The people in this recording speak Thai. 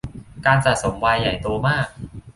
การสะสมไวน์ใหญ่โตมาก